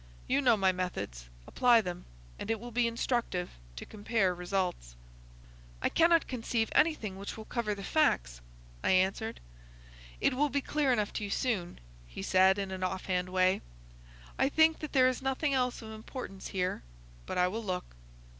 "You know my methods. Apply them, and it will be instructive to compare results." "I cannot conceive anything which will cover the facts," I answered. "It will be clear enough to you soon," he said, in an off hand way. "I think that there is nothing else of importance here, but I will look."